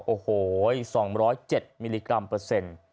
โอ้โห๒๐๗มิลลิกรัมเปอร์เซ็นต์